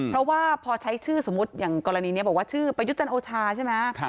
เพราะว่าพอใช้ชื่อสมมุติอย่างกรณีนี้บอกว่าชื่อประยุทธ์จันทร์โอชาใช่ไหม